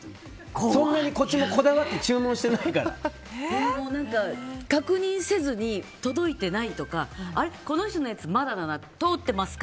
そんなにこっちも確認せずに届いてないとかこの人のやつまだだな通っていますか？